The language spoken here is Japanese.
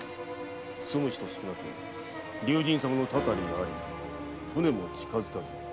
住む人少なく竜神様のタタリありとて船も近づかず」。